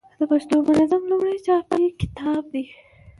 د پښتو منظم لومړنی چاپي کتاب دﺉ.